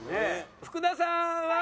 福田さんは？